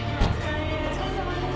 お疲れさまです。